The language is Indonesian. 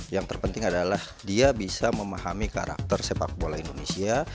yang terpenting adalah dia bisa memahami karakter sepak bola indonesia